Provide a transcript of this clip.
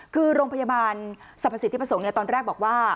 คือโรงพยาบาลสรรพสิทธิประสงค์ตอนแรกบอกว่า